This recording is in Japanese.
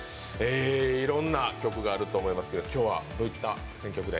いろいろな曲があると思いますが、今日はどういった選曲で？